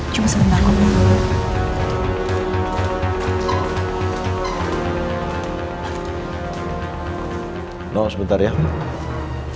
cuma sebentar kok